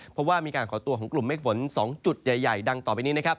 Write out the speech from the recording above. เพราะว่ามีการก่อตัวของกลุ่มเมฆฝน๒จุดใหญ่ดังต่อไปนี้นะครับ